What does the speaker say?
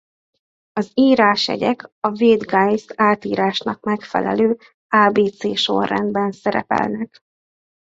Az írásjegyek a Wade-Giles átírásnak megfelelő ábécésorrendben szerepelnek.